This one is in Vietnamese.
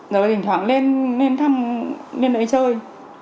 rồi thỉnh thoảng lên thăm lên đấy chơi